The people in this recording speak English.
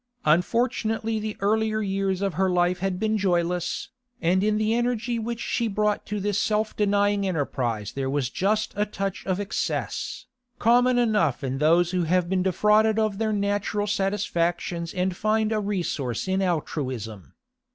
Unfortunately the earlier years of her life had been joyless, and in the energy which she brought to this self denying enterprise there was just a touch of excess, common enough in those who have been defrauded of their natural satisfactions and find a resource in altruism.